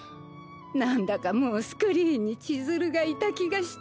なんだかもうスクリーンにちづるがいた気がして。